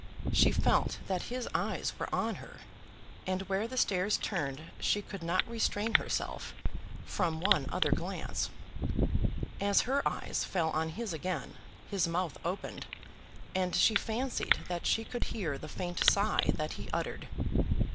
She felt that his eyes were on her, and where the stairs turned she could not restrain herself from one other glance. As her eyes fell on his again, his mouth opened, and she fancied that she could hear the faint sigh that he uttered.